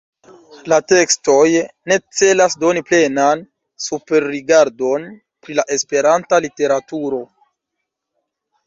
La tekstoj ne celas doni plenan superrigardon pri la Esperanta literaturo.